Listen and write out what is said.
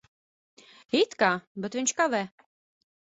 It kā. Bet viņš kavē.